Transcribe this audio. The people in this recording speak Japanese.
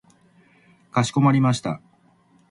かしこまりました。